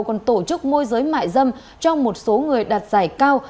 còn tổ chức môi giới mại dâm cho một số người đạt giải cao